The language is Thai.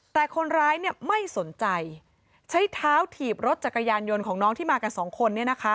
แต่คนร้ายไม่สนใจใช้เท้าถีบรถจักรยานยนต์ของน้องที่มากันสองคน